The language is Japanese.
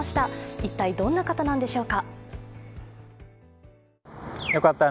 一体どんな方なんでしょうか？